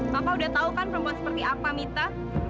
papa udah tahu kan perempuan seperti apa mita